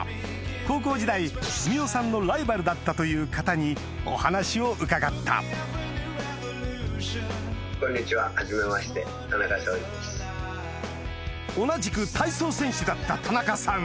高校時代富美雄さんのライバルだったという方にお話を伺った同じく体操選手だった田中さん